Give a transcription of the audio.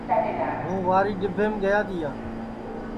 ہُوں واری ڈبھینٚم گیا تِیا